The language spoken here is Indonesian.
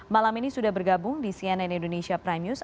malam ini sudah bergabung di cnn indonesia prime news